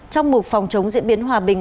trong mục phòng chống diễn biến hòa bình